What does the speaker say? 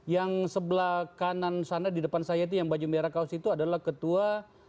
yang sebelah kanan sana di depan saya itu yang baju merah kaos itu adalah ketua